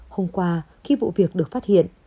hôm qua khi vụ việc được phát hiện